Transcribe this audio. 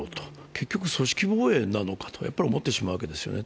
結局、組織防衛なのかとやっぱり思ってしまうわけなんですね。